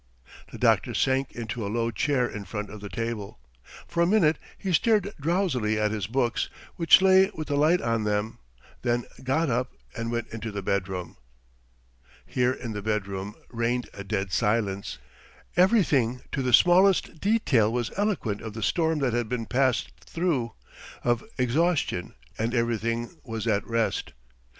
... The doctor sank into a low chair in front of the table; for a minute he stared drowsily at his books, which lay with the light on them, then got up and went into the bedroom. Here in the bedroom reigned a dead silence. Everything to the smallest detail was eloquent of the storm that had been passed through, of exhaustion, and everything was at rest.